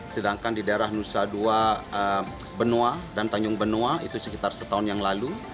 sedangkan di daerah nusa dua benoa dan tanjung benoa itu sekitar setahun yang lalu